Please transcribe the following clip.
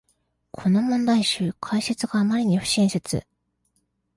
この問題集、解説があまりに不親切